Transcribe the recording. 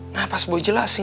nah pas boy jelasin